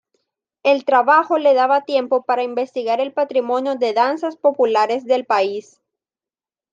El trabajo le daba tiempo para investigar el patrimonio de danzas populares del país.